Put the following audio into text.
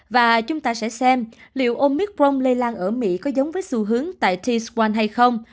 và chúng ta sẽ xem liệu omicron lây lan ở mỹ có giống với xu hướng tại t squan hay không